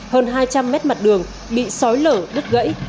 hơn hai trăm linh mét mặt đường bị sói lở đứt gãy